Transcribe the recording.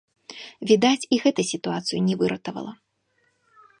Відаць, і гэта сітуацыю не выратавала.